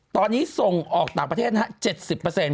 ตอนนี้ส่งออกต่างประเทศนะฮะ๗๐